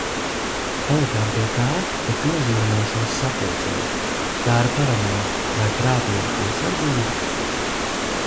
Palikām pie tā, ka piezūmošos sapulcei. Tā ir paranoja vai prātīga piesardzība?